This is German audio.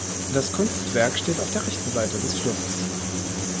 Das Kunstwerk steht auf der rechten Seite des Flusses.